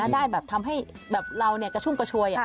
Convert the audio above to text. ได้แบบทำให้เรากระชุ่มกระชวย